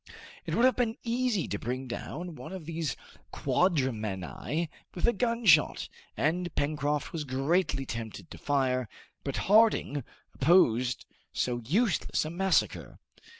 It would have been easy to bring down one of these quadramani with a gunshot, and Pencroft was greatly tempted to fire, but Harding opposed so useless a massacre.